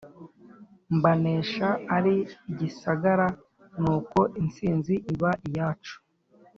mbanesha ari igisagara nuko intsinzi iba iyacu